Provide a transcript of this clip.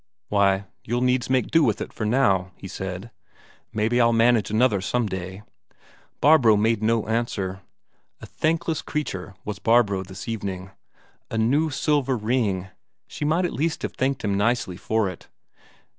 "Why, you'll needs make do with it for now," he said. "Maybe I'll manage another some day." Barbro made no answer. A thankless creature was Barbro this evening. A new silver ring she might at least have thanked him nicely for it.